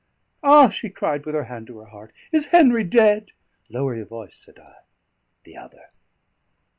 "Ah!" she cried, with her hand to her heart, "is Henry dead?" "Lower your voice," said I. "The other."